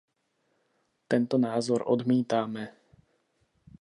Tento názor odmítáme.